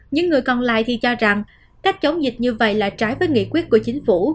những người còn lại thì cho rằng cách chống dịch như vậy là trái với nghị quyết của chính phủ